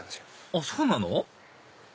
あっそうなの？